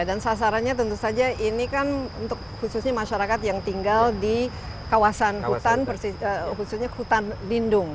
dan sasarannya tentu saja ini kan khususnya masyarakat yang tinggal di kawasan hutan khususnya hutan lindung